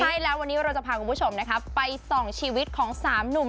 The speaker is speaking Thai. ใช่แล้ววันนี้เราจะพาคุณผู้ชมนะคะไปส่องชีวิตของสามหนุ่ม